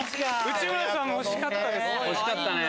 内村さんも惜しかったですね。